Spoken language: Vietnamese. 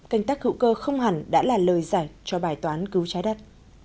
canh tác hữu cơ không hẳn đã là lời giải cho bài toán cứu trái đất